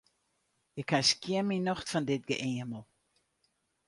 Ik ha skjin myn nocht fan dit geëamel.